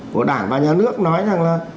của đảng và nhà nước nói rằng là